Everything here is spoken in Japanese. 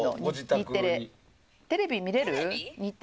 日テレ。